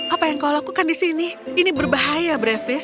apa yang kau lakukan di sini ini berbahaya brevis